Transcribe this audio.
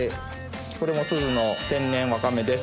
これが珠洲の天然ワカメです。